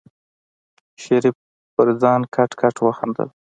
شريف په ځان کټ کټ وخندل.